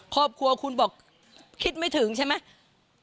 ครอบครัวคุณบอกคิดไม่ถึงใช่ไหม